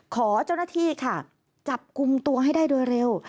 ขอเจ้าหน้าที่ค่ะจับกลุ่มตัวให้ได้โดยเร็ว